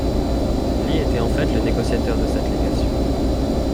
Lee était en fait le négociateur de cette légation.